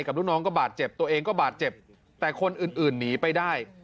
ลูกน้องก็บาดเจ็บตัวเองก็บาดเจ็บแต่คนอื่นหนีไปได้